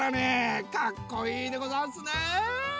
かっこいいでござんすね。